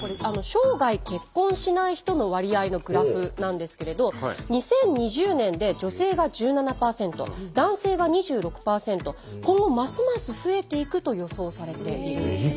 生涯結婚しない人の割合のグラフなんですけれど２０２０年で女性が１７％男性が２６％今後ますます増えていくと予想されているんです。